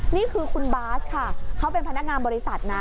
นี่คือคุณบาสค่ะเขาเป็นพนักงานบริษัทนะ